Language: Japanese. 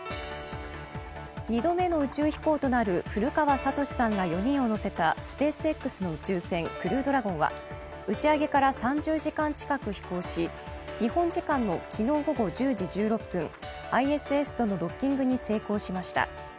２度目の宇宙飛行となる古川聡さんら４人を乗せたスペースＸの宇宙船「クルードラゴン」は打ち上げから３０時間近く飛行し、日本時間の昨日午後１０時１６分、ＩＳＳとのドッキングに成功しました。